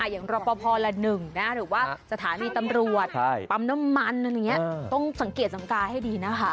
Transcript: อย่างรปภละหนึ่งนะหรือว่าสถานีตำรวจปั๊มน้ำมันต้องสังเกตสังการให้ดีนะคะ